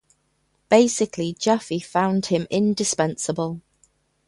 Basically, Jaffee found him indispensable.